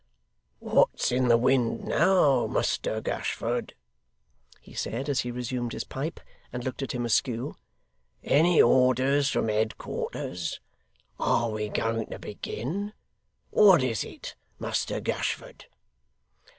'What's in the wind now, Muster Gashford?' he said, as he resumed his pipe, and looked at him askew. 'Any orders from head quarters? Are we going to begin? What is it, Muster Gashford?